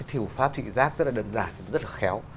thủ pháp trị giác rất là đơn giản rất là khéo